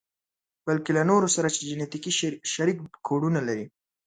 بلکې له نورو سره چې جنتیکي شريک کوډونه لري.